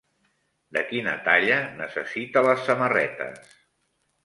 De quina talla necessita les samarretes?